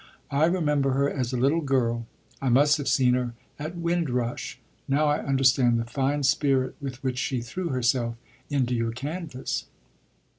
I remember her as a little girl. I must have seen her at Windrush. Now I understand the fine spirit with which she threw herself into your canvass."